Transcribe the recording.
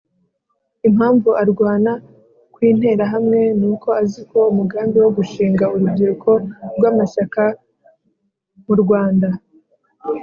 Impamvu arwana ku Interahamwe ni uko azi ko umugambi wo gushinga urubyiruko rw'Amashyaka mu Rwanda